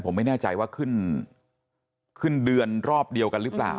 ผมไม่แน่ใจว่าขึ้นขึ้นเดือนรอบเดียวกันหรือเปล่า